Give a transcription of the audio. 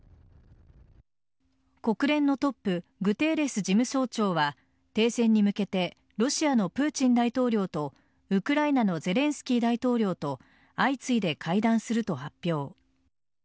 国連のトップグテーレス事務総長は停戦に向けてロシアのプーチン大統領とウクライナのゼレンスキー大統領と相次いで会談すると発表。